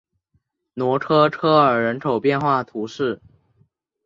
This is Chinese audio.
罗科科尔人口变化图示